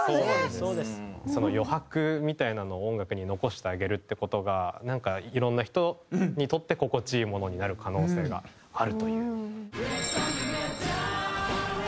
その余白みたいなのを音楽に残してあげるって事がなんかいろんな人にとって心地いいものになる可能性があるという。